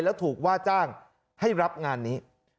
แล้วถูกว่าจ้างให้รับงานนี้